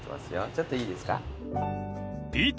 ちょっといいですか？